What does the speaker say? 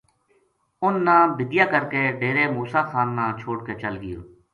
اُنھ با بِدیا کر کے ڈیرے موسیٰ خان نا چھوڈ کے چل گیو